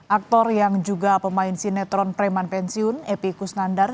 aktor yang juga pemain sinetron preman pensiun epi kusnandar